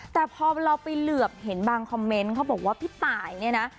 แต่พอเราไปเหลือบเห็นบางคอมเมนต์เขาบอกว่าพี่ตายเนี่ยนะ